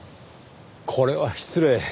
これは失礼。